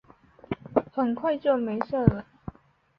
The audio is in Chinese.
很快就没事了